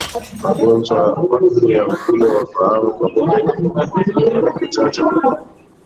Magonjwa makuu ya mfumo wa fahamu kwa ngombe ni majimoyo na kichaa cha mbwa